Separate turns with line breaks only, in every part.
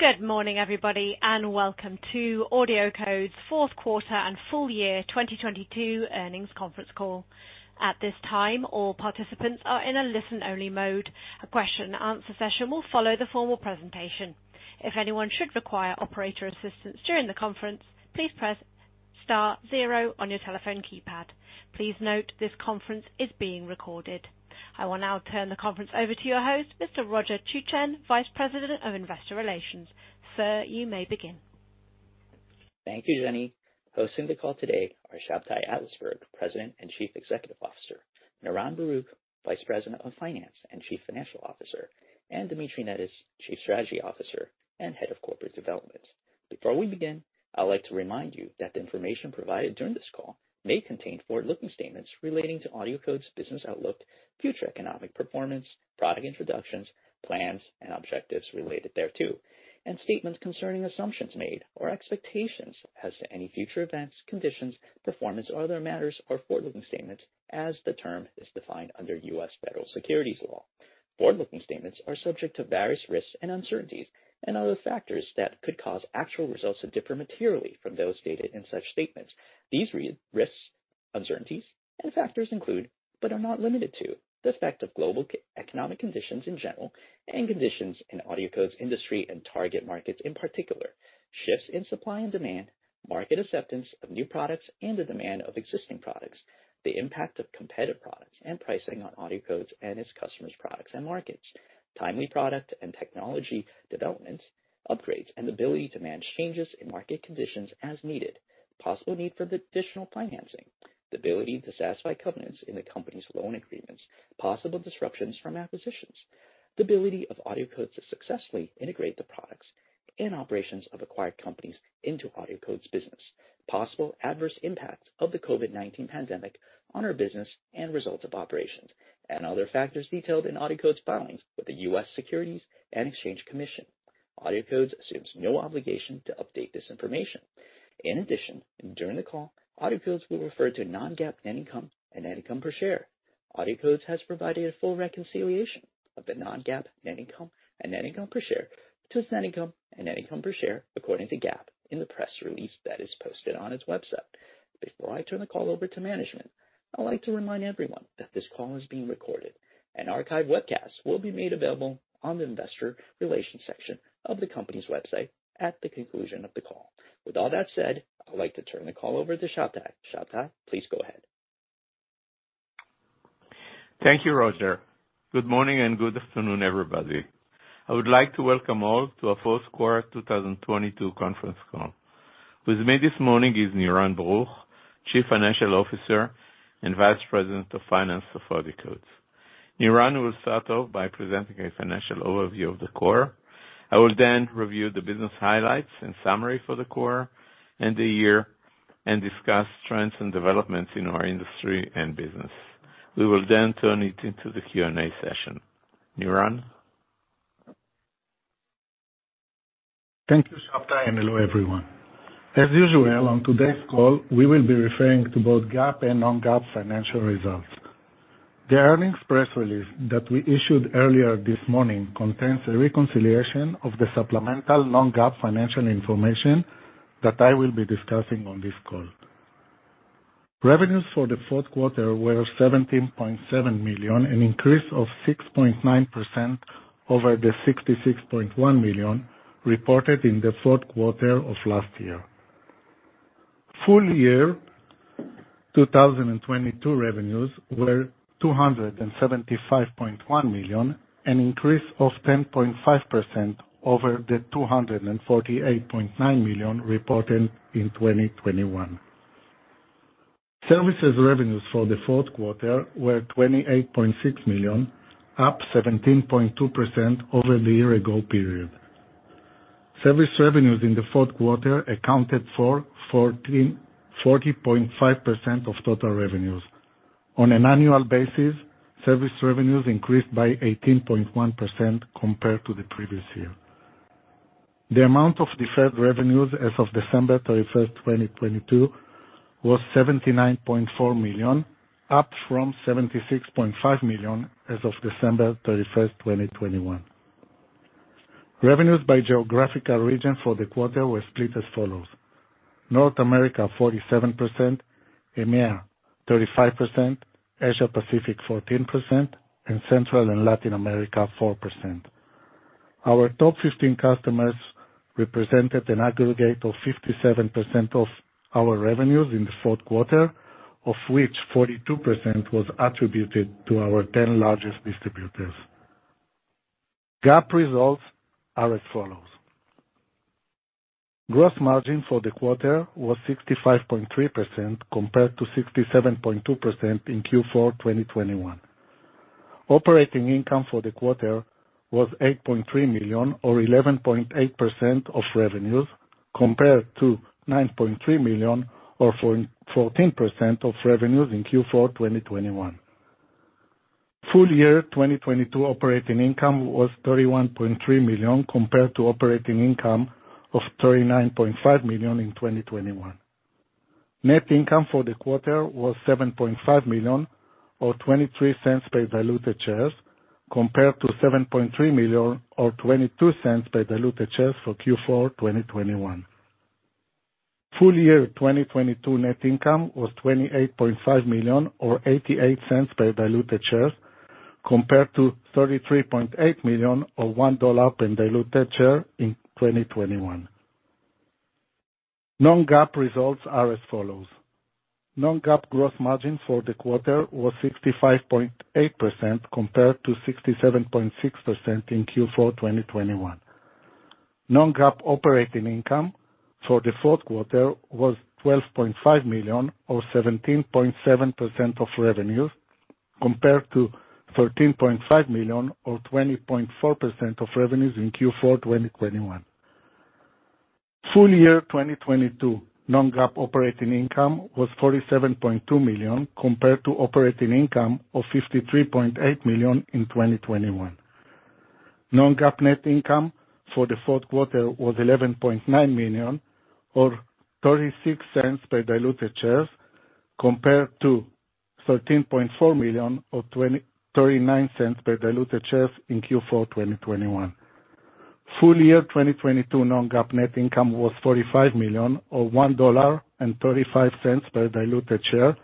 Good morning, everybody, and welcome to AudioCodes' Fourth Quarter and Full Year 2022 Earnings Conference Call. At this time, all participants are in a listen-only mode. A question and answer session will follow the formal presentation. If anyone should require operator assistance during the conference, please press star zero on your telephone keypad. Please note this conference is being recorded. I will now turn the conference over to your host, Mr. Roger Chuchen, Vice President of Investor Relations. Sir, you may begin.
Thank you, Jenny. Hosting the call today are Shabtai Adlersberg, President and Chief Executive Officer, Niran Baruch, Vice President of Finance and Chief Financial Officer, and Dmitry Netis, Chief Strategy Officer and Head of Corporate Development. Before we begin, I'd like to remind you that the information provided during this call may contain forward-looking statements relating to AudioCodes' business outlook, future economic performance, product introductions, plans and objectives related thereto. And statements concerning assumptions made or expectations as to any future events, conditions, performance or other matters or forward-looking statements as the term is defined under U.S. federal securities law. Forward-looking statements are subject to various risks and uncertainties and other factors that could cause actual results to differ materially from those stated in such statements. These re-risks, uncertainties and factors include, but are not limited to, the effect of global economic conditions in general and conditions in AudioCodes industry and target markets in particular, shifts in supply and demand, market acceptance of new products and the demand of existing products, the impact of competitive products and pricing on AudioCodes and its customers' products and markets. Timely product and technology developments, upgrades and ability to manage changes in market conditions as needed, possible need for the additional financing, the ability to satisfy covenants in the company's loan agreements, possible disruptions from acquisitions. The ability of AudioCodes to successfully integrate the products and operations of acquired companies into AudioCodes' business. Possible adverse impacts of the COVID-19 pandemic on our business and results of operations, and other factors detailed in AudioCodes' filings with the U.S. Securities and Exchange Commission. AudioCodes assumes no obligation to update this information. During the call, AudioCodes will refer to non-GAAP net income and net income per share. AudioCodes has provided a full reconciliation of the non-GAAP net income and net income per share to its net income and net income per share according to GAAP in the press release that is posted on its website. Before I turn the call over to management, I'd like to remind everyone that this call is being recorded. An archive webcast will be made available on the investor relations section of the company's website at the conclusion of the call. With all that said, I'd like to turn the call over to Shabtai. Shabtai, please go ahead.
Thank you, Roger. Good morning, good afternoon, everybody. I would like to welcome all to our Fourth Quarter 2022 Conference Call. With me this morning is Niran Baruch, Chief Financial Officer and Vice President of Finance for AudioCodes. Niran will start off by presenting a financial overview of the quarter. I will then review the business highlights and summary for the quarter and the year and discuss trends and developments in our industry and business. We will turn it into the Q&A session. Niran?
Thank you, Shabtai. Hello, everyone. As usual, on today's call, we will be referring to both GAAP and non-GAAP financial results. The earnings press release that we issued earlier this morning contains a reconciliation of the supplemental non-GAAP financial information that I will be discussing on this call. Revenues for the fourth quarter were $17.7 million, an increase of 6.9% over the $66.1 million reported in the fourth quarter of last year. Full year 2022 revenues were $275.1 million, an increase of 10.5% over the $248.9 million reported in 2021. Services revenues for the fourth quarter were $28.6 million, up 17.2% over the year ago period. Service revenues in the fourth quarter accounted for 40.5% of total revenues. On an annual basis, service revenues increased by 18.1% compared to the previous year. The amount of deferred revenues as of December 31st, 2022 was $79.4 million, up from $76.5 million as of December 31st, 2021. Revenues by geographical region for the quarter were split as follows: North America, 47%, EMEA, 35%, Asia Pacific, 14%, and Central and Latin America, 4%. Our top 15 customers represented an aggregate of 57% of our revenues in the fourth quarter, of which 42% was attributed to our 10 largest distributors. GAAP results are as follows. Gross margin for the quarter was 65.3% compared to 67.2% in Q4 2021. Operating income for the quarter was $8.3 million or 11.8% of revenues, compared to $9.3 million or 14% of revenues in Q4 2021. Full year 2022 operating income was $31.3 million compared to operating income of $39.5 million in 2021. Net income for the quarter was $7.5 million, or $0.23 per diluted shares, compared to $7.3 million or $0.22 per diluted shares for Q4 2021. Full year 2022 net income was $28.5 million, or $0.88 per diluted shares, compared to $33.8 million or $1.00 per diluted share in 2021. Non-GAAP results are as follows: Non-GAAP gross margin for the quarter was 65.8% compared to 67.6% in Q4 2021. Non-GAAP operating income for the fourth quarter was $12.5 million, or 17.7% of revenues, compared to $13.5 million or 20.4% of revenues in Q4, 2021. Full year 2022 non-GAAP operating income was $47.2 million compared to operating income of $53.8 million in 2021. Non-GAAP net income for the fourth quarter was $11.9 million or $0.36 per diluted shares, compared to $13.4 million or $0.39 per diluted shares in Q4, 2021. Full year 2022 non-GAAP net income was $45 million or $1.35 per diluted share,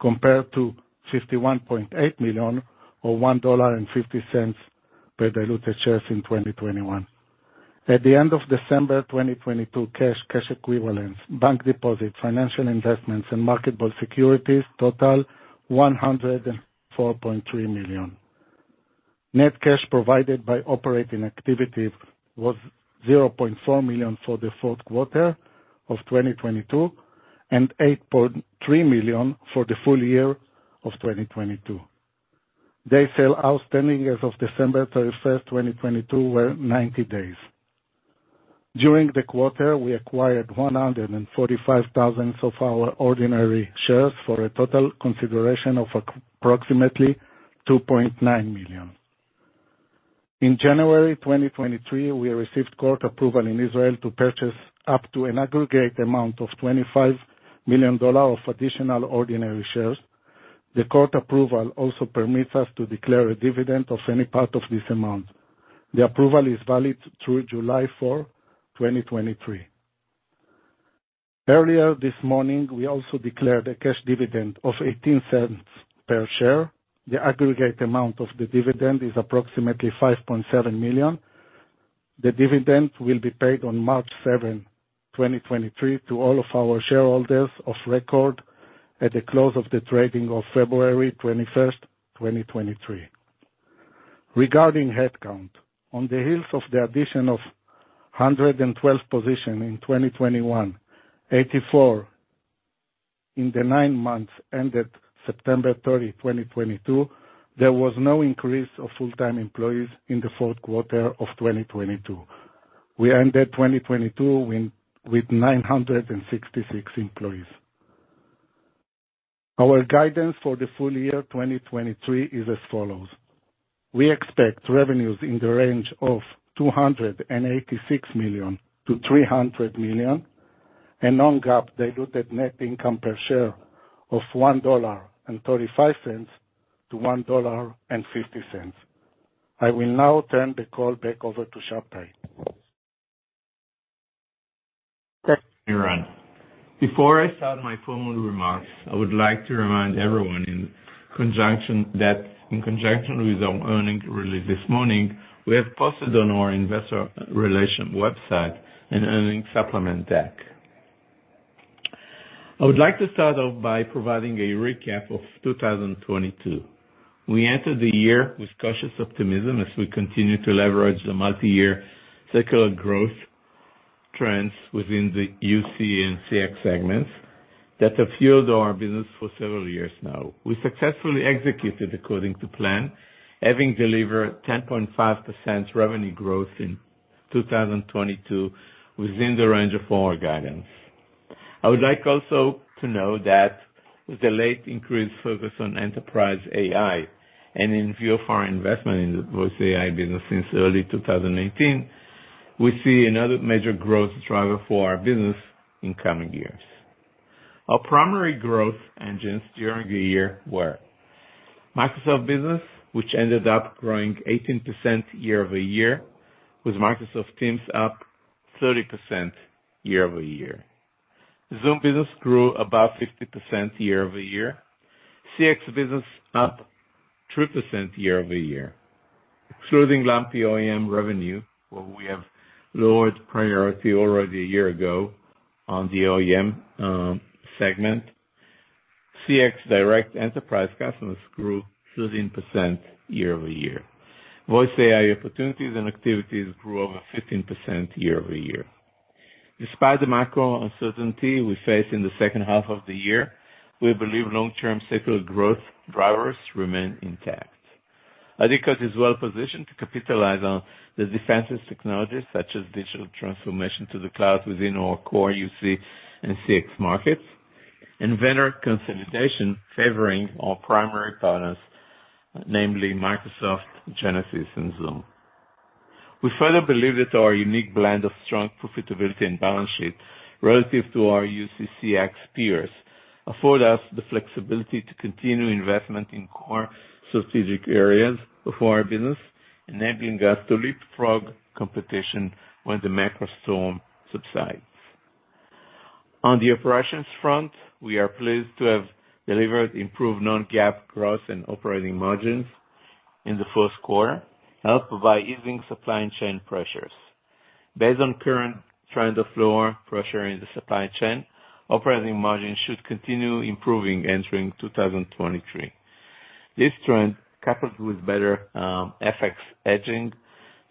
compared to $51.8 million or $1.50 per diluted shares in 2021. At the end of December 2022, cash equivalents, bank deposits, financial investments, and marketable securities totaled $104.3 million. Net cash provided by operating activity was $0.4 million for the fourth quarter of 2022, and $8.3 million for the full year of 2022. Day sales outstanding as of December 31st, 2022 were 90 days. During the quarter, we acquired 145,000 of our ordinary shares for a total consideration of approximately $2.9 million. In January 2023, we received court approval in Israel to purchase up to an aggregate amount of $25 million of additional ordinary shares. The court approval also permits us to declare a dividend of any part of this amount. The approval is valid through July 4, 2023. Earlier this morning, we also declared a cash dividend of $0.18 per share. The aggregate amount of the dividend is approximately $5.7 million. The dividend will be paid on March 7, 2023 to all of our shareholders of record at the close of the trading of February 21, 2023. Regarding headcount, on the heels of the addition of 112 position in 2021, 84 in the nine months ended September 30, 2022, there was no increase of full-time employees in the fourth quarter of 2022. We ended 2022 with 966 employees. Our guidance for the full year, 2023, is as follows: We expect revenues in the range of $286 million-$300 million, and non-GAAP diluted net income per share of $1.35-$1.50. I will now turn the call back over to Shabtai.
Thanks, Niran. Before I start my formal remarks, I would like to remind everyone that in conjunction with our earnings release this morning, we have posted on our investor relation website an earnings supplement deck. I would like to start off by providing a recap of 2022. We entered the year with cautious optimism as we continue to leverage the multiyear secular growth trends within the UC and CX segments that have fueled our business for several years now. We successfully executed according to plan, having delivered 10.5% revenue growth in 2022 within the range of our guidance. I would like also to note that with the late increased focus on enterprise AI and in view of our investment in the VoiceAI business since early 2018, we see another major growth driver for our business in coming years. Our primary growth engines during the year were Microsoft Business, which ended up growing 18% year-over-year, with Microsoft Teams up 30% year-over-year. Zoom business grew above 50% year-over-year. CX business up 2% year-over-year. Excluding lamp OEM revenue, where we have lowered priority already a year ago on the OEM segment, CX direct enterprise customers grew 15% year-over-year. VoiceAI opportunities and activities grew over 15% year-over-year. Despite the macro uncertainty we face in the second half of the year, we believe long-term secular growth drivers remain intact. AudioCodes is well positioned to capitalize on the defensive technologies such as digital transformation to the cloud within our core UC and CX markets, and vendor consolidation favoring our primary partners, namely Microsoft, Genesys, and Zoom. We further believe that our unique blend of strong profitability and balance sheet relative to our UCCX peers afford us the flexibility to continue investment in core strategic areas of our business, enabling us to leapfrog competition when the macro storm subsides. On the operations front, we are pleased to have delivered improved non-GAAP growth and operating margins in the fourth quarter, helped by easing supply chain pressures. Based on current trends of lower pressure in the supply chain, operating margins should continue improving entering 2023. This trend, coupled with better FX hedging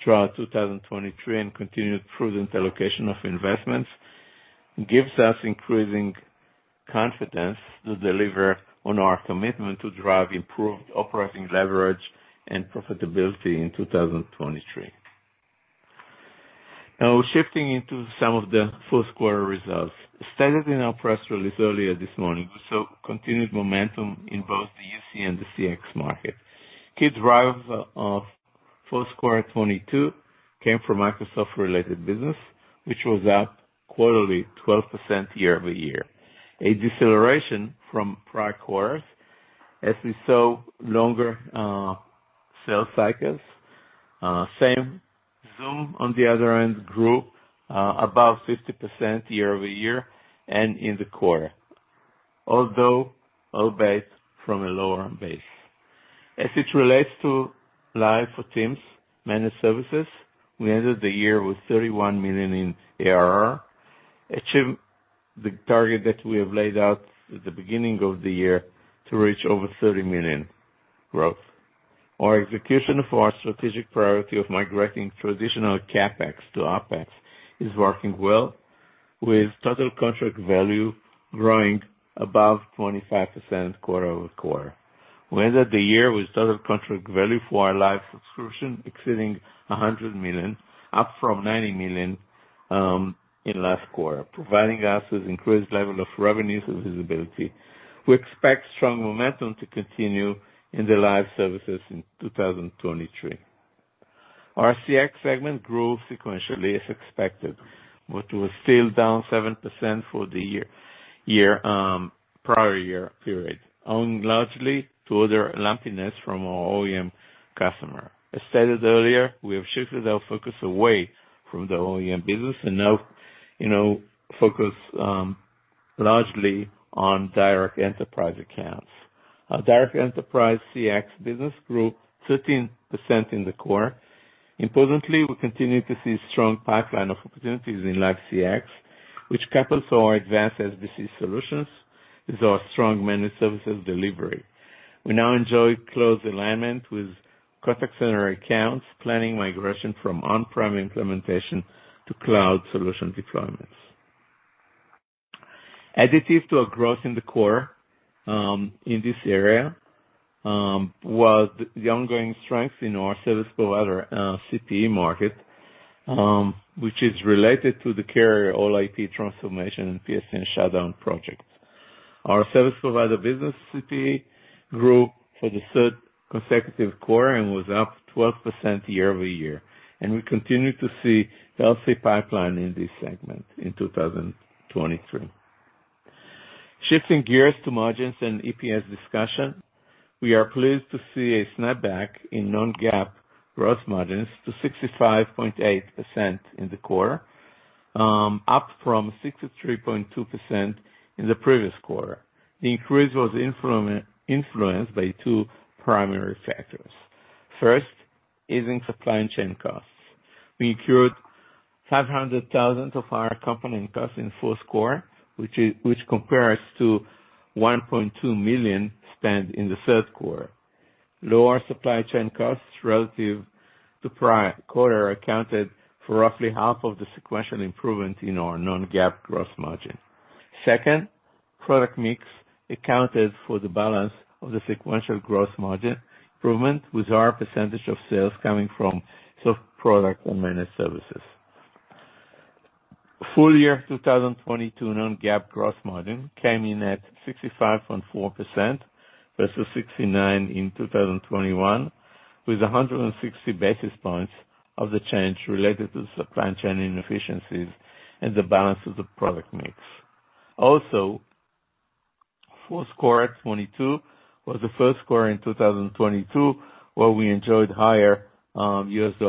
throughout 2023 and continued prudent allocation of investments, gives us increasing confidence to deliver on our commitment to drive improved operating leverage and profitability in 2023. Shifting into some of the fourth quarter results. Stated in our press release earlier this morning, we saw continued momentum in both the UC and the CX markets. Key drivers of fourth quarter 2022 came from Microsoft-related business, which was up quarterly 12% year-over-year, a deceleration from prior quarters as we saw longer sales cycles. Same. Zoom, on the other hand, grew above 50% year-over-year and in the quarter, although all based from a lower base. As it relates to Live for Teams managed services, we ended the year with $31 million in ARR, achieved the target that we have laid out at the beginning of the year to reach over $30 million growth. Our execution for our strategic priority of migrating traditional CapEx to OpEx is working well, with total contract value growing above 25% quarter-over-quarter. We ended the year with total contract value for our live subscription exceeding $100 million, up from $90 million in last quarter, providing us with increased level of revenues and visibility. We expect strong momentum to continue in the live services in 2023. Our CX segment grew sequentially as expected, but was still down 7% for the year, prior year period, owing largely to order lumpiness from our OEM customer. As stated earlier, we have shifted our focus away from the OEM business and now, you know, focus largely on direct enterprise accounts. Our direct enterprise CX business grew 13% in the quarter. Importantly, we continue to see strong pipeline of opportunities in Live CX, which couples our advanced SBC solutions with our strong managed services delivery. We now enjoy close alignment with contact center accounts, planning migration from on-prem implementation to cloud solution deployments. Additive to our growth in the quarter, in this area, was the ongoing strength in our service provider CPE market, which is related to the carrier all IP transformation and PSTN shutdown projects. Our service provider business CPE grew for the third consecutive quarter and was up 12% year-over-year, we continue to see healthy pipeline in this segment in 2023. Shifting gears to margins and EPS discussion. We are pleased to see a snapback in non-GAAP gross margins to 65.8% in the quarter, up from 63.2% in the previous quarter. The increase was influenced by two primary factors. First, easing supply chain costs. We incurred $500,000 of our accompanying costs in fourth quarter, which compares to $1.2 million spent in the third quarter. Lower supply chain costs relative to prior quarter accounted for roughly half of the sequential improvement in our non-GAAP gross margin. Second, product mix accounted for the balance of the sequential gross margin improvement with our % of sales coming from soft product and managed services. Full year 2022 non-GAAP gross margin came in at 65.4% versus 69% in 2021, with 160 basis points of the change related to supply chain inefficiencies and the balance of the product mix. Also, fourth quarter 2022 was the first quarter in 2022 where we enjoyed higher USD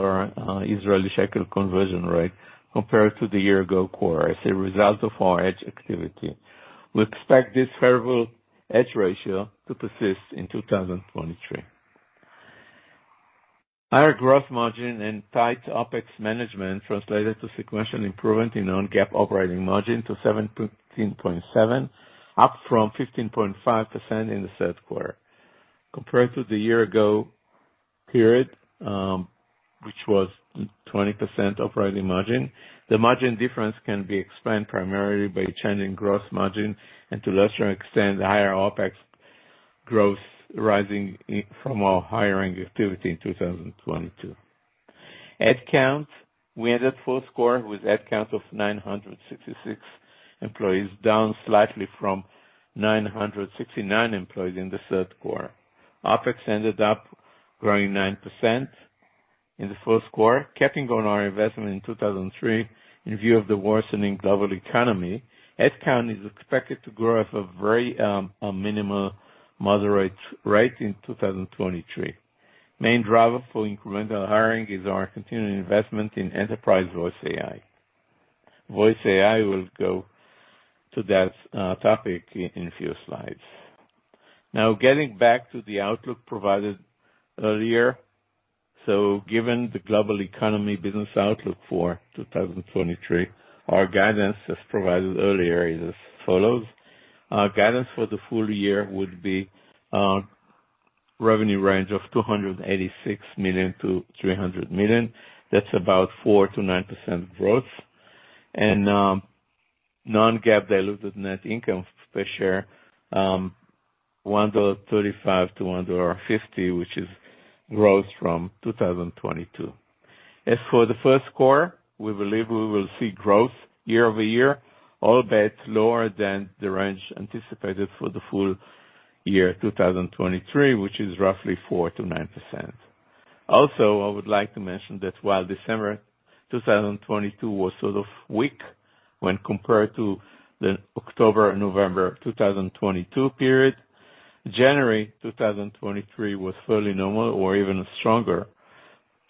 Israeli shekel conversion rate compared to the year ago quarter as a result of our hedge activity. We expect this favorable hedge ratio to persist in 2023. Higher growth margin and tight OpEx management translated to sequential improvement in non-GAAP operating margin to 17.7%, up from 15.5% in the third quarter. Compared to the year ago period, which was 20% operating margin, the margin difference can be explained primarily by changing gross margin and to lesser extent, higher OpEx growth rising from our hiring activity in 2022. We ended fourth quarter with head count of 966 employees, down slightly from 969 employees in the third quarter. OpEx ended up growing 9% in the fourth quarter, capping on our investment in 2003 in view of the worsening global economy. Headcount is expected to grow at a very, a minimal moderate rate in 2023. Main driver for incremental hiring is our continuing investment in enterprise VoiceAI. VoiceAI will go to that topic in a few slides. Getting back to the outlook provided earlier. Given the global economy business outlook for 2023, our guidance, as provided earlier, is as follows. Our guidance for the full year would be revenue range of $286 million-$300 million. That's about 4%-9% growth. non-GAAP diluted net income per share $1.35-$1.50, which is growth from 2022. As for the first quarter, we believe we will see growth year-over-year, all bets lower than the range anticipated for the full year 2023, which is roughly 4%-9%. I would like to mention that while December 2022 was sort of weak when compared to the October-November 2022 period, January 2023 was fairly normal or even stronger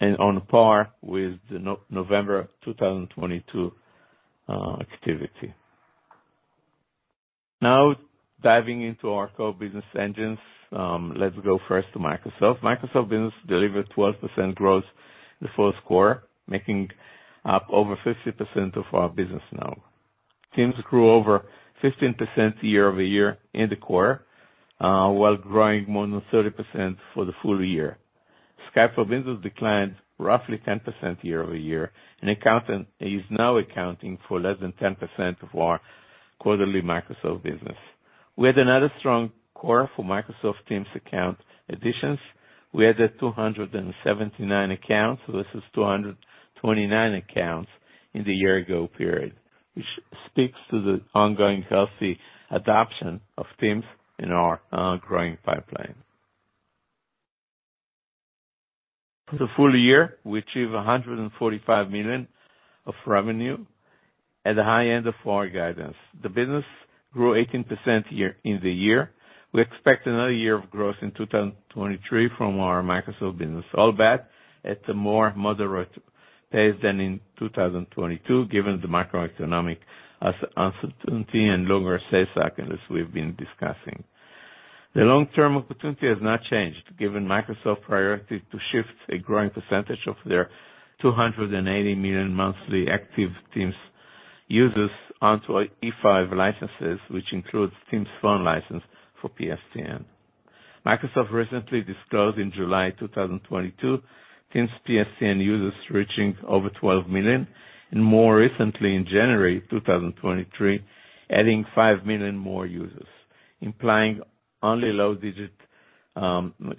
and on par with the November 2022 activity. Diving into our core business engines. Let's go first to Microsoft. Microsoft Business delivered 12% growth in the fourth quarter, making up over 50% of our business now. Teams grew over 15% year-over-year in the quarter, while growing more than 30% for the full year. Skype for Business declined roughly 10% year-over-year and is now accounting for less than 10% of our quarterly Microsoft business. We had another strong quarter for Microsoft Teams account additions. We added 279 accounts versus 229 accounts in the year ago period, which speaks to the ongoing healthy adoption of Teams in our growing pipeline. For the full year, we achieved $145 million of revenue at the high end of our guidance. The business grew 18% in the year. We expect another year of growth in 2023 from our Microsoft business, all bet at a more moderate pace than in 2022, given the macroeconomic uncertainty and longer sales cycle as we've been discussing. The long-term opportunity has not changed, given Microsoft priority to shift a growing percentage of their 280 million monthly active Teams users onto E5 licenses, which includes Teams Phone license for PSTN. Microsoft recently disclosed in July 2022, Teams PSTN users reaching over 12 million, and more recently in January 2023, adding 5 million more users, implying only low digit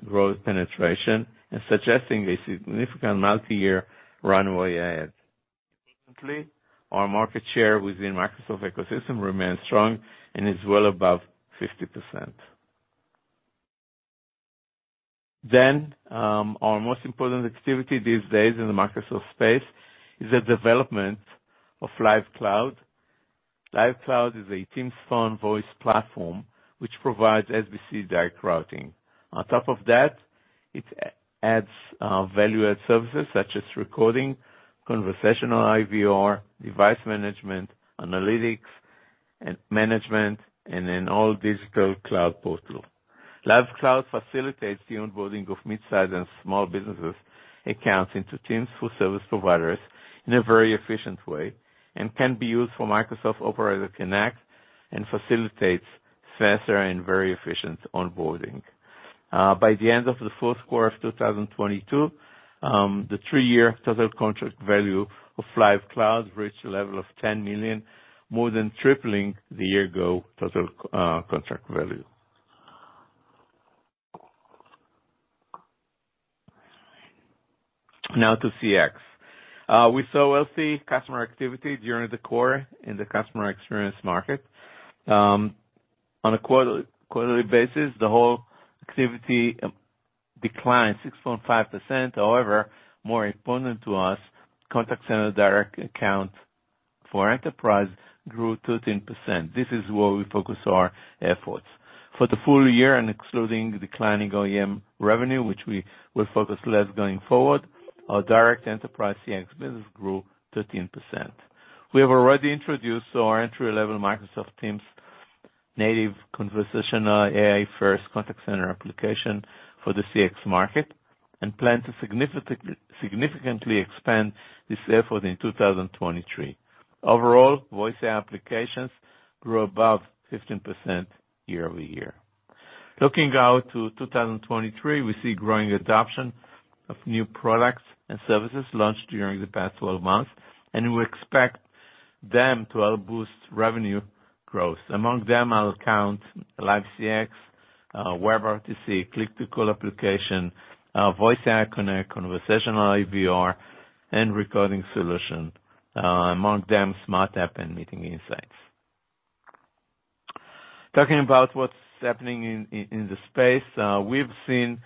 growth penetration and suggesting a significant multi-year runway ahead. Importantly, our market share within Microsoft ecosystem remains strong and is well above 50%. Our most important activity these days in the Microsoft space is the development of Live Cloud. Live Cloud is a Teams Phone voice platform which provides SBC Direct Routing. On top of that, it adds value-add services such as recording, Conversational IVR, device management, analytics, and management, and an all-digital cloud portal. Live Cloud facilitates the onboarding of midsize and small businesses accounts into Teams through service providers in a very efficient way, and can be used for Microsoft Operator Connect and facilitates faster and very efficient onboarding. By the end of the fourth quarter of 2022, the three-year total contract value of Live Cloud reached a level of $10 million, more than tripling the year-ago total contract value. To CX. We saw healthy customer activity during the quarter in the customer experience market. On a quarter-quarterly basis, the whole activity declined 6.5%. More important to us, contact center direct accounts for enterprise grew 13%. This is where we focus our efforts. For the full year and excluding declining OEM revenue, which we will focus less going forward, our direct enterprise CX business grew 13%. We have already introduced our entry-level Microsoft Teams native conversational AI-first contact center application for the CX market and plan to significantly expand this effort in 2023. Overall, voice applications grew above 15% year-over-year. Looking out to 2023, we see growing adoption of new products and services launched during the past 12 months, and we expect them to help boost revenue growth. Among them, I'll count Live CX, WebRTC, Click-to-Call application, VoiceAI Connect, Conversational IVR, and recording solution, among them SmartTAP and Meeting Insights. Talking about what's happening in the space, we've seen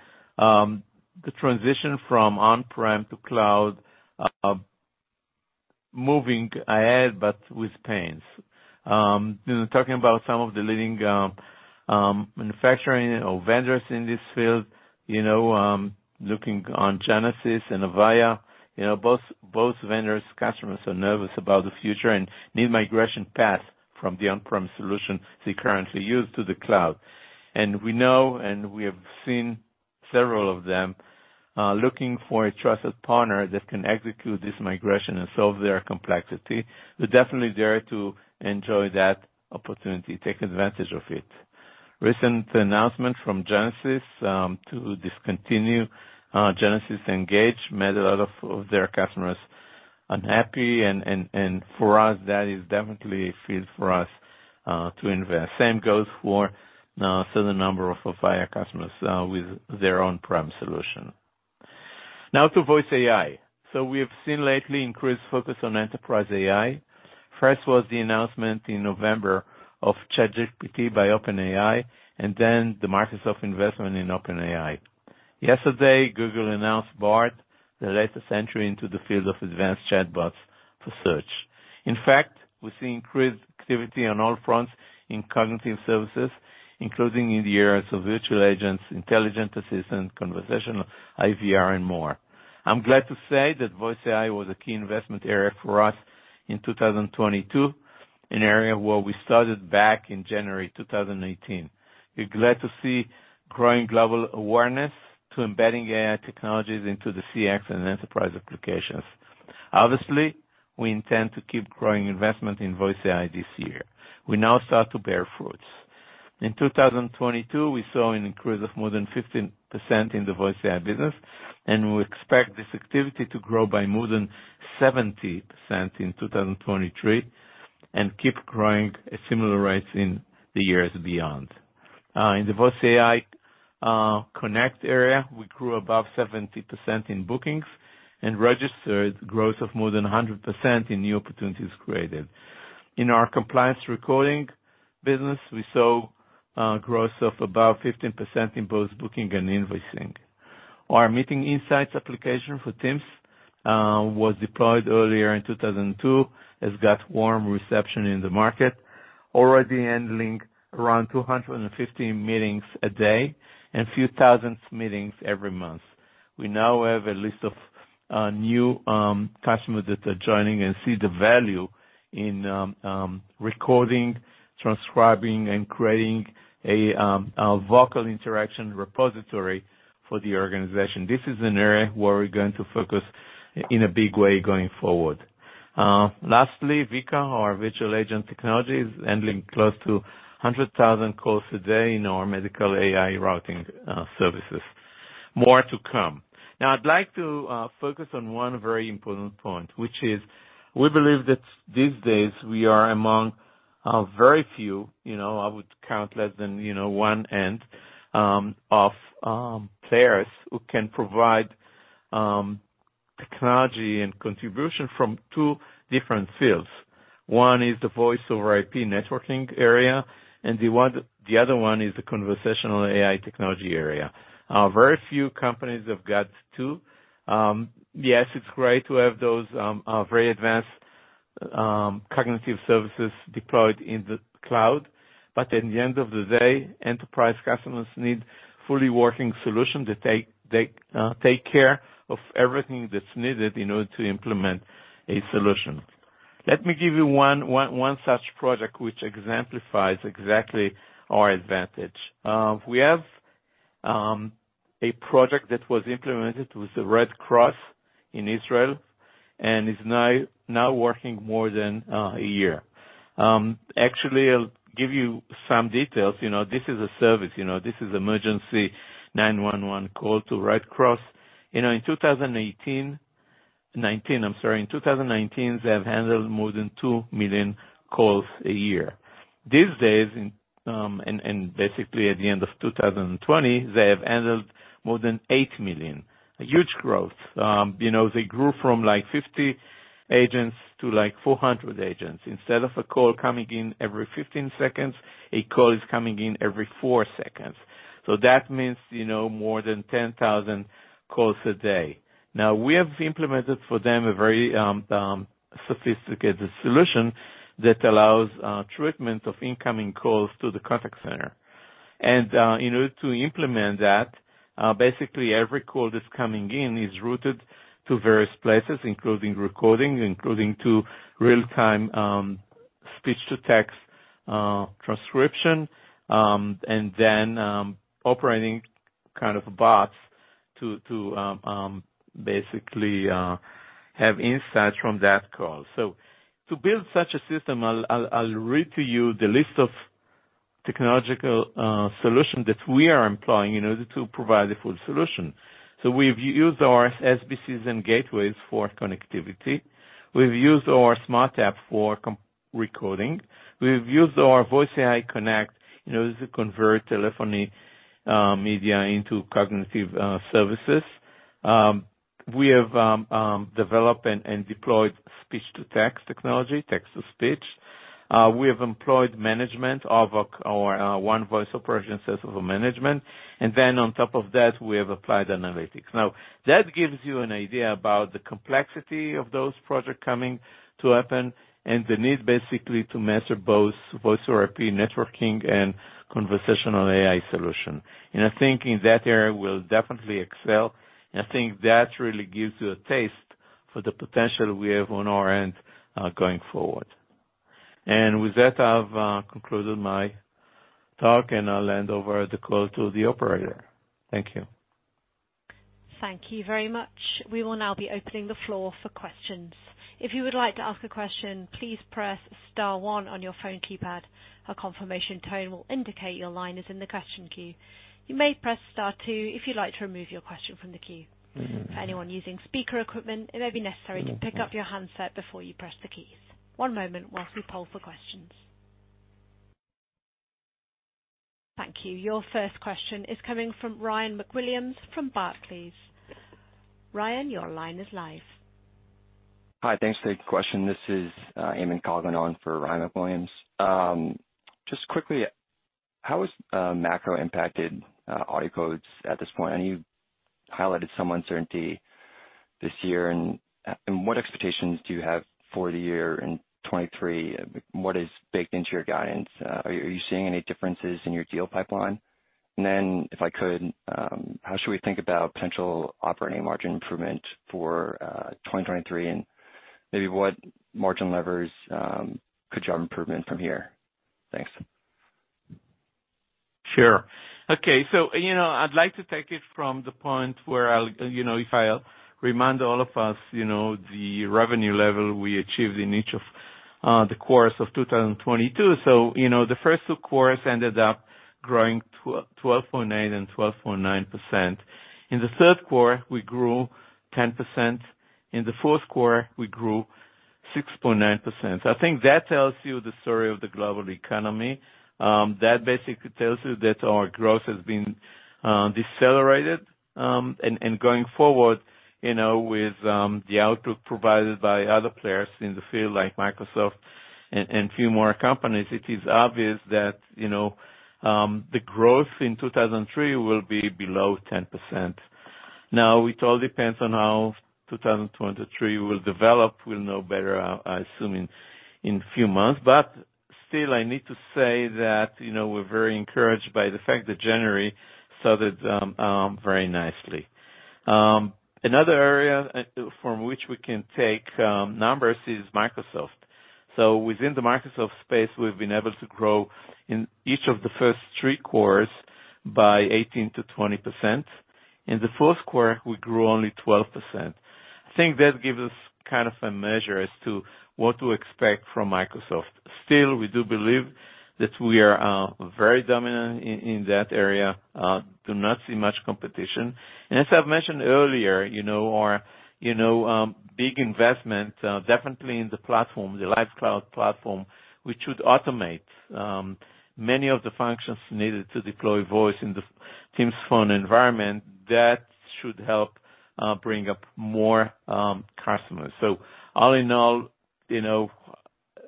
the transition from on-prem to cloud moving ahead but with pains. Talking about some of the leading manufacturing or vendors in this field, you know, looking on Genesys and Avaya, you know, both vendors customers are nervous about the future and need migration path from the on-prem solution they currently use to the cloud. We know, and we have seen several of them, looking for a trusted partner that can execute this migration and solve their complexity. We're definitely there to enjoy that opportunity, take advantage of it. Recent announcement from Genesys to discontinue Genesys Engage made a lot of their customers unhappy and for us, that is definitely a field for us to invest. Same goes for certain number of Avaya customers with their on-prem solution. Now to VoiceAI. We have seen lately increased focus on enterprise AI. First was the announcement in November of ChatGPT by OpenAI, and then the Microsoft investment in OpenAI. Yesterday, Google announced Bard, the latest entry into the field of advanced chatbots for search. In fact, we see increased activity on all fronts in cognitive services, including in the areas of virtual agents, intelligent assistants, Conversational IVR, and more. I'm glad to say that VoiceAI was a key investment area for us in 2022, an area where we started back in January 2018. We're glad to see growing global awareness to embedding AI technologies into the CX and enterprise applications. Obviously, we intend to keep growing investment in VoiceAI this year. We now start to bear fruits. In 2022, we saw an increase of more than 15% in the VoiceAI business, and we expect this activity to grow by more than 70% in 2023 and keep growing at similar rates in the years beyond. In the Voice AI Connect area, we grew above 70% in bookings and registered growth of more than 100% in new opportunities created. In our compliance recording business, we saw growth of about 15% in both booking and invoicing. Our Meeting Insights application for Teams was deployed earlier in 2002, has got warm reception in the market, already handling around 250 meetings a day and a few thousand meetings every month. We now have a list of new customers that are joining and see the value in recording, transcribing, and creating a vocal interaction repository for the organization. This is an area where we're going to focus in a big way going forward. Lastly, VICA, our virtual agent technologies, handling close to 100,000 calls a day in our medical AI routing services. More to come. Now I'd like to focus on one very important point, which is we believe that these days we are among a very few, you know, I would count less than, you know, one hand of players who can provide technology and contribution from two different fields. One is the voice-over IP networking area, and the other one is the conversational AI technology area. Very few companies have got two. Yes, it's great to have those very advanced cognitive services deployed in the cloud. At the end of the day, enterprise customers need fully working solution to take care of everything that's needed in order to implement a solution. Let me give you one such project which exemplifies exactly our advantage. We have a project that was implemented with the Red Cross in Israel and is now working more than a year. Actually, I'll give you some details. You know, this is a service, you know, this is emergency 911 call to Red Cross. You know, in 2019, I'm sorry. In 2019, they have handled more than 2 million calls a year. These days, and basically at the end of 2020, they have handled more than 8 million. A huge growth. You know, they grew from like 50 agents to like 400 agents. Instead of a call coming in every 15 seconds, a call is coming in every four seconds. That means, you know, more than 10,000 calls a day. Now we have implemented for them a very sophisticated solution that allows treatment of incoming calls to the contact center. In order to implement that, basically every call that's coming in is routed to various places, including recording, including to real-time speech-to-text transcription, and then operating kind of bots to basically have insights from that call. To build such a system, I'll read to you the list of Technological solution that we are employing in order to provide the full solution. We've used our SBCs and gateways for connectivity. We've used our SmartTAP for Recording. We've used our VoiceAI Connect, you know, to convert telephony media into cognitive services. We have developed and deployed speech-to-text technology, text-to-speech. We have employed management of our One Voice Operations system of management. On top of that, we have applied analytics. That gives you an idea about the complexity of those projects coming to happen and the need basically to master both Voice over IP networking and conversational AI solution. I think in that area, we'll definitely excel, and I think that really gives you a taste for the potential we have on our end going forward. With that, I've concluded my talk, and I'll hand over the call to the operator. Thank you.
Thank you very much. We will now be opening the floor for questions. If you would like to ask a question, please press star one on your phone keypad. A confirmation tone will indicate your line is in the question queue. You may press star two if you'd like to remove your question from the queue. For anyone using speaker equipment, it may be necessary to pick up your handset before you press the keys. One moment while we poll for questions. Thank you. Your first question is coming from Ryan MacWilliams from Barclays. Ryan, your line is live.
Hi. Thanks for the question. This is Eamon calling on for Ryan MacWilliams. Just quickly, how has macro impacted AudioCodes at this point? I know you highlighted some uncertainty this year. What expectations do you have for the year in 2023? What is baked into your guidance? Are you seeing any differences in your deal pipeline? If I could, how should we think about potential operating margin improvement for 2023, and maybe what margin levers could drive improvement from here? Thanks.
Sure. Okay, I'd like to take it from the point where if I remind all of us, the revenue level we achieved in each of the quarters of 2022. The first two quarters ended up growing 12.8% and 12.9%. In the third quarter, we grew 10%. In the fourth quarter, we grew 6.9%. I think that tells you the story of the global economy. That basically tells you that our growth has been decelerated, and going forward, with the outlook provided by other players in the field like Microsoft and few more companies, it is obvious that the growth in 2003 will be below 10%. It all depends on how 2023 will develop. We'll know better, I assume, in few months. Still, I need to say that, you know, we're very encouraged by the fact that January started very nicely. Another area from which we can take numbers is Microsoft. Within the Microsoft space, we've been able to grow in each of the first three quarters by 18%-20%. In the fourth quarter, we grew only 12%. I think that gives us kind of a measure as to what to expect from Microsoft. Still, we do believe that we are very dominant in that area, do not see much competition. As I've mentioned earlier, you know, our, you know, big investment, definitely in the platform, the Live Cloud platform, which should automate many of the functions needed to deploy voice in the Teams Phone environment, that should help bring up more customers. All in all, you know,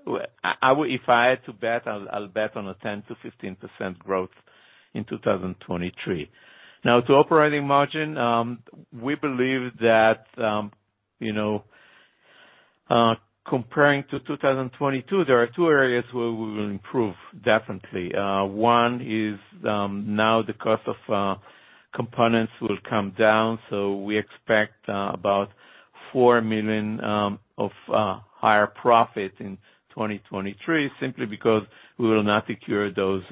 If I had to bet, I'll bet on a 10%-15% growth in 2023. To operating margin, we believe that, you know, comparing to 2022, there are two areas where we will improve, definitely. One is, now the cost of components will come down, so we expect about $4 million of higher profit in 2023, simply because we will not secure those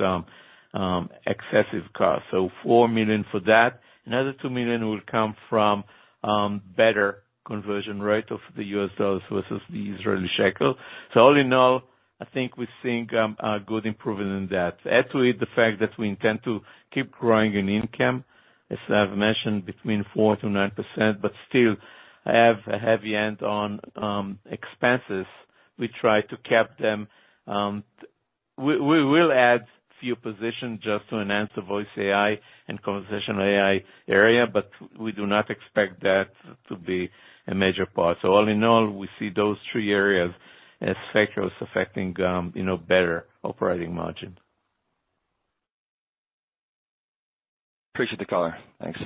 excessive costs. $4 million for that. Another $2 million will come from better conversion rate of the U.S. dollars versus the Israeli shekel. All in all, I think we're seeing a good improvement in that. Add to it the fact that we intend to keep growing in income, as I've mentioned, between 4%-9%, but still have a heavy hand on expenses. We try to cap them. We will add few positions just to enhance the VoiceAI and conversational AI area, but we do not expect that to be a major part. All in all, we see those three areas as factors affecting, you know, better operating margin.
Appreciate the color. Thanks.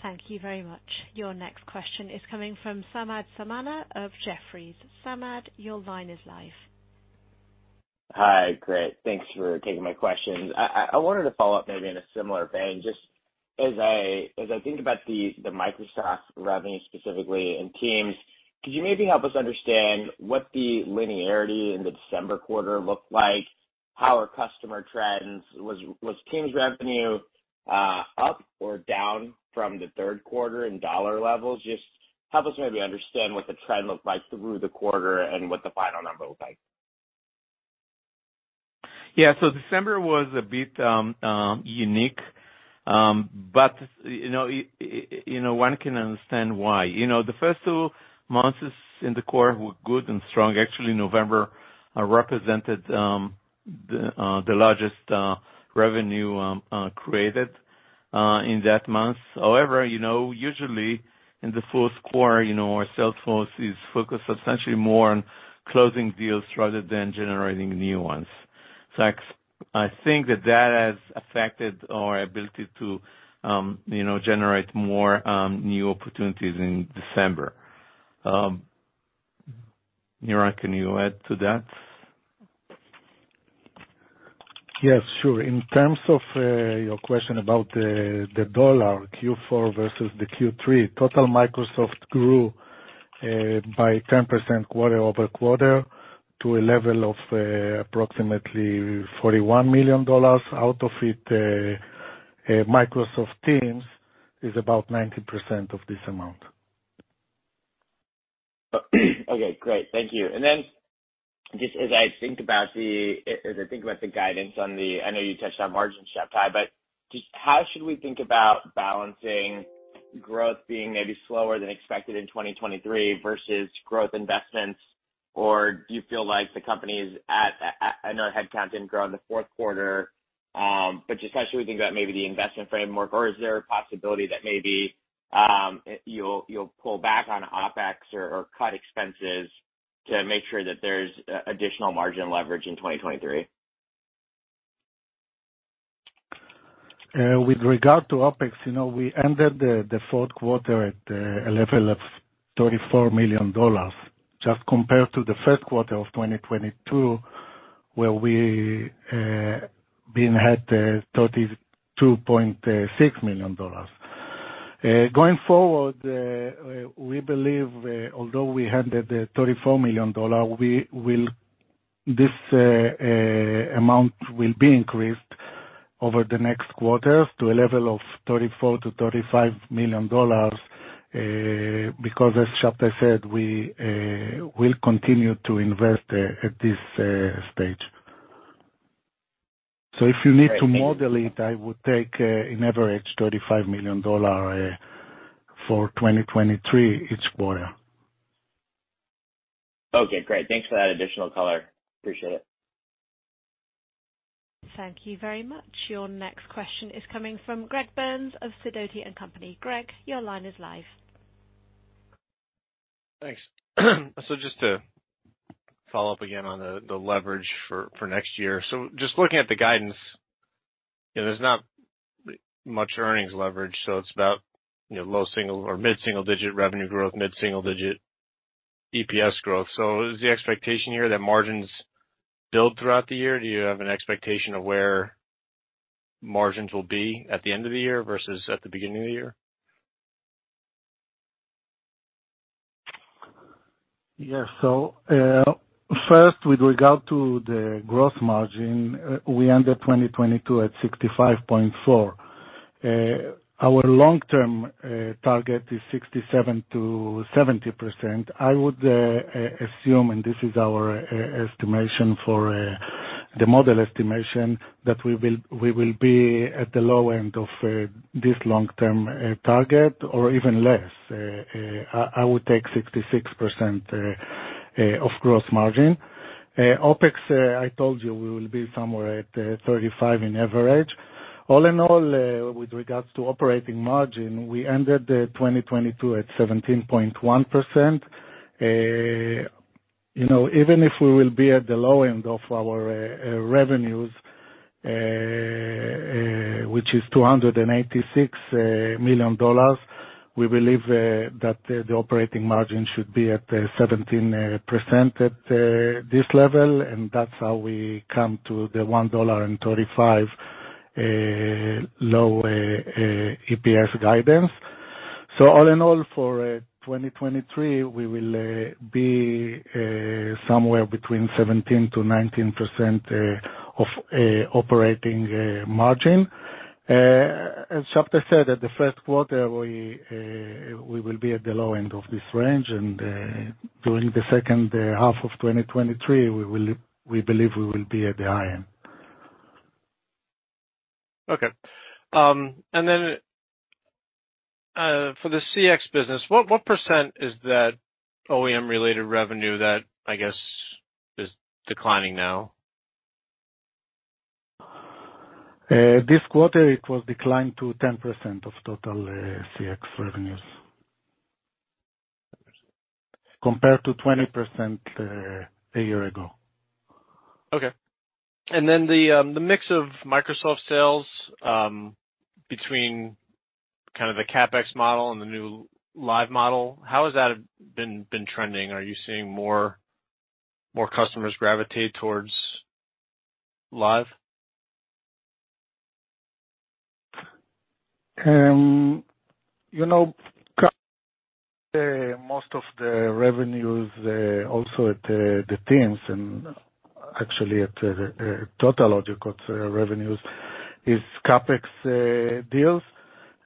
Thank you very much. Your next question is coming from Samad Samana of Jefferies. Samad, your line is live.
Hi. Great. Thanks for taking my questions. I wanted to follow up maybe in a similar vein, just as I think about the Microsoft revenue specifically and Teams, could you maybe help us understand what the linearity in the December quarter looked like? How are customer trends? Was Teams revenue up or down from the third quarter in dollar levels? Help us maybe understand what the trend looked like through the quarter and what the final number looked like.
December was a bit unique, but you know, one can understand why. You know, the first two months in the quarter were good and strong. Actually, November represented the largest revenue created in that month. However, you know, usually in the fourth quarter, you know, our sales force is focused essentially more on closing deals rather than generating new ones. I think that that has affected our ability to, you know, generate more new opportunities in December. Nir, can you add to that?
Yes, sure. In terms of your question about the dollar, Q4 versus the Q3, total Microsoft grew by 10% quarter-over-quarter to a level of approximately $41 million. Out of it, Microsoft Teams is about 90% of this amount.
Okay, great. Thank you. Just as I think about the guidance on the... I know you touched on margin, Shabtai, but just how should we think about balancing growth being maybe slower than expected in 2023 versus growth investments, or do you feel like the company's at... I know headcount didn't grow in the fourth quarter, but just how should we think about maybe the investment framework, or is there a possibility that maybe you'll pull back on OpEx or cut expenses to make sure that there's additional margin leverage in 2023?
With regard to OpEx, you know, we ended the fourth quarter at a level of $34 million, just compared to the first quarter of 2022, where we being at $32.6 million. Going forward, we believe, although we had the $34 million, we will. This amount will be increased over the next quarters to a level of $34 million-$35 million, because as Shabtai said, we will continue to invest at this stage. If you need to model it, I would take an average $35 million for 2023 each quarter.
Okay, great. Thanks for that additional color. Appreciate it.
Thank you very much. Your next question is coming from Greg Burns of Sidoti & Company. Greg, your line is live.
Thanks. Just to follow up again on the leverage for next year. Just looking at the guidance, you know, there's not much earnings leverage, so it's about, you know, low single or mid-single digit revenue growth, mid-single digit EPS growth. Is the expectation here that margins build throughout the year? Do you have an expectation of where margins will be at the end of the year versus at the beginning of the year?
First, with regard to the gross margin, we ended 2022 at 65.4%. Our long-term target is 67%-70%. I would assume, and this is our estimation for the model estimation, that we will be at the low end of this long-term target or even less. I would take 66% of gross margin. OpEx, I told you we will be somewhere at 35% in average. All in all, with regards to operating margin, we ended 2022 at 17.1%. You know, even if we will be at the low end of our revenues, which is $286 million, we believe that the operating margin should be at 17% at this level, and that's how we come to the $1.35 low EPS guidance. All in all for 2023, we will be somewhere between 17%-19% of operating margin. As Shabtai said, at the first quarter, we will be at the low end of this range. During the second half of 2023, we believe we will be at the high end.
Okay. For the CX business, what % is that OEM-related revenue that, I guess, is declining now?
This quarter it was declined to 10% of total CX revenues.
10%.
Compared to 20%, a year ago.
The mix of Microsoft sales between kind of the CapEx model and the new Live model, how has that been trending? Are you seeing more customers gravitate towards Live?
You know, most of the revenues, also at, the Teams. Actually, at total revenues is CapEx deals.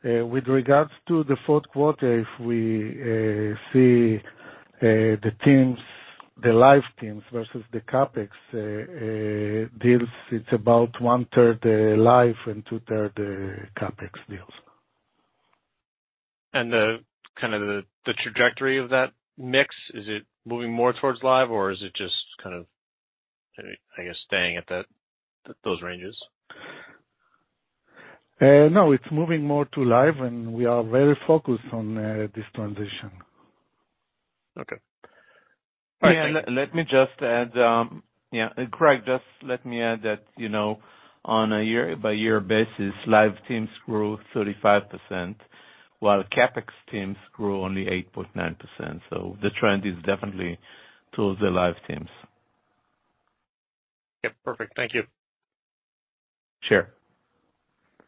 With regards to the fourth quarter, if we see the Teams, the Live Teams versus the CapEx deals, it's about 1/3 live and 2/3 CapEx deals.
kind of the trajectory of that mix, is it moving more towards Live or is it just kind of, I guess, staying at those ranges?
No, it's moving more to live and we are very focused on this transition.
Okay. All right.
Greg, just let me add that, you know, on a year-by-year basis, Live Teams grew 35%, while CapEx teams grew only 8.9%. The trend is definitely towards the Live Teams.
Yep. Perfect. Thank you.
Sure.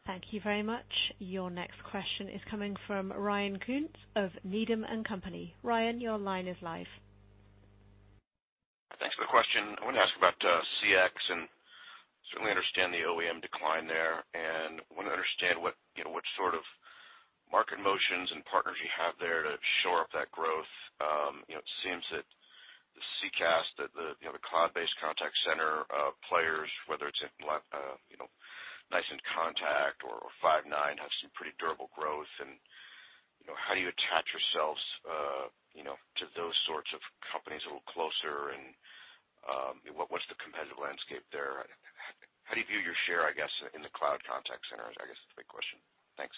Thank you very much. Your next question is coming from Ryan Koontz of Needham & Company. Ryan, your line is live.
Thanks for the question. I want to ask about CX, and certainly understand the OEM decline there, and wanna understand what, you know, what sort of market motions and partners you have there to shore up that growth. You know, it seems that the CCaaS, the cloud-based contact center players, whether it's NICE inContact or Five9, have some pretty durable growth, and, you know, how do you attach yourselves, you know, to those sorts of companies a little closer, and what's the competitive landscape there? How do you view your share, I guess, in the cloud contact centers? I guess is my question. Thanks.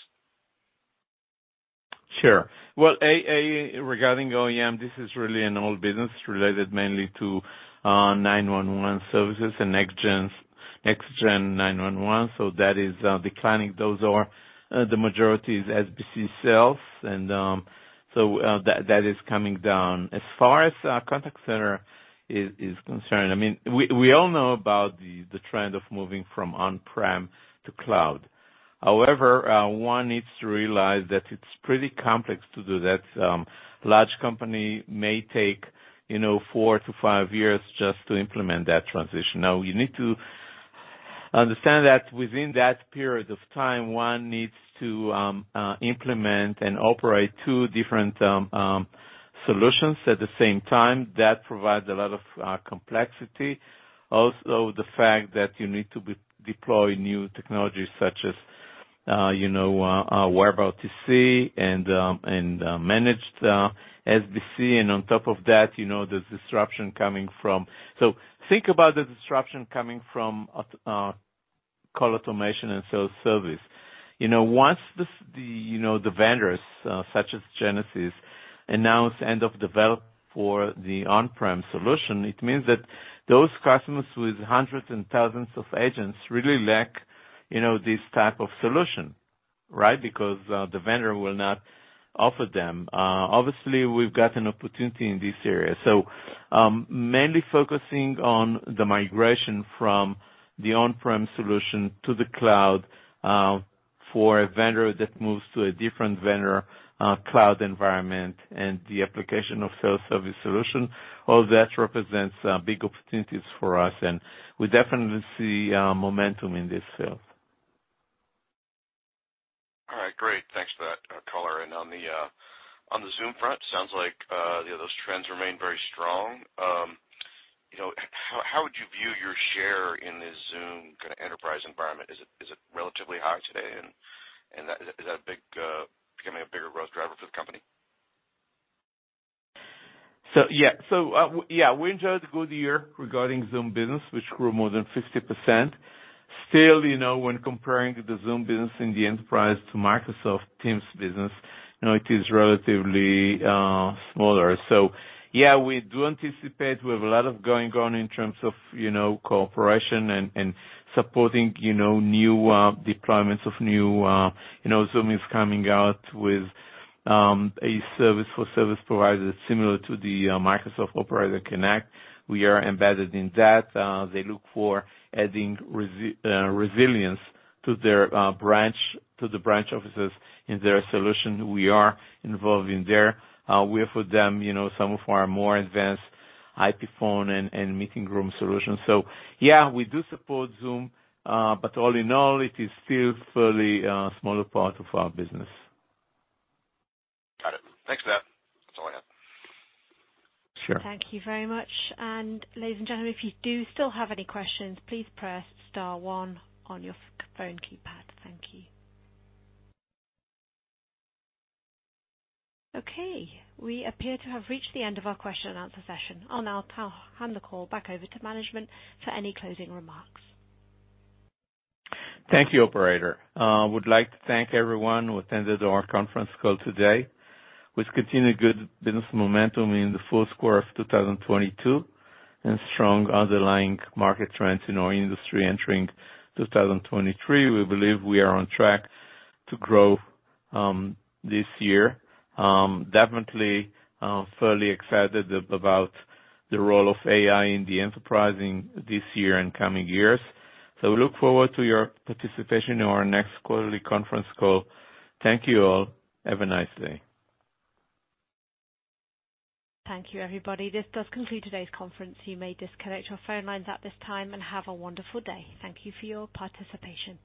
Sure. Well, regarding OEM, this is really an old business related mainly to 911 services and Next Gen 911, that is declining. Those are, the majority is SBC sales and that is coming down. As far as contact center is concerned, I mean, we all know about the trend of moving from on-prem to cloud. However, one needs to realize that it's pretty complex to do that. Large company may take, you know, four to five years just to implement that transition. You need to understand that within that period of time, one needs to implement and operate two different solutions at the same time. That provides a lot of complexity. Also, the fact that you need to deploy new technologies such as, you know, wearable TC and managed SBC. on top of that, you know, there's disruption coming from... think about the disruption coming from a call automation and self-service. You know, once this, you know, the vendors, such as Genesys, announce end of develop for the on-prem solution, it means that those customers with hundreds and thousands of agents really lack, you know, this type of solution, right? the vendor will not offer them. obviously, we've got an opportunity in this area. Mainly focusing on the migration from the on-prem solution to the cloud, for a vendor that moves to a different vendor, cloud environment and the application of self-service solution, all that represents big opportunities for us, and we definitely see momentum in this sale.
All right. Great. Thanks for that color. On the Zoom front, sounds like, you know, those trends remain very strong. You know, how would you view your share in the Zoom kind of enterprise environment? Is it relatively high today? Is that a big becoming a bigger growth driver for the company?
Yeah, we enjoyed a good year regarding Zoom business, which grew more than 50%. Still, you know, when comparing the Zoom business in the enterprise to Microsoft Teams business, you know, it is relatively smaller. Yeah, we do anticipate we have a lot of going on in terms of, you know, cooperation and supporting, you know, new deployments of new, you know, Zoom is coming out with a service for service providers similar to the Microsoft Operator Connect. We are embedded in that. They look for adding resilience to their branch, to the branch offices in their solution. We are involved in there. We offer them, you know, some of our more advanced IP phone and meeting room solutions. Yeah, we do support Zoom, but all in all, it is still fairly smaller part of our business.
Got it. Thanks for that. That's all I have.
Sure.
Thank you very much. Ladies and gentlemen, if you do still have any questions, please press star one on your phone keypad. Thank you. Okay, we appear to have reached the end of our question and answer session. I'll now hand the call back over to management for any closing remarks.
Thank you, operator. would like to thank everyone who attended our conference call today. With continued good business momentum in the first quarter of 2022 and strong underlying market trends in our industry entering 2023, we believe we are on track to grow this year. definitely, fairly excited about the role of AI in the enterprising this year and coming years. Look forward to your participation in our next quarterly conference call. Thank you all. Have a nice day.
Thank you, everybody. This does conclude today's conference. You may disconnect your phone lines at this time and have a wonderful day. Thank you for your participation.